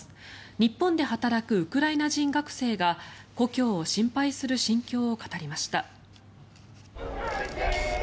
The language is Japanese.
日本で働くウクライナ人学生が故郷を心配する心境を語りました。